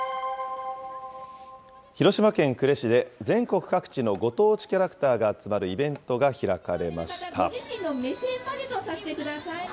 広島県呉市で、全国各地のご当地キャラクターが集まるイベントが開かれました。